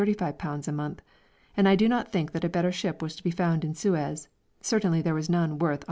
_ a month, and I do not think that a better ship was to be found in Suez certainly there was none worth 120_l.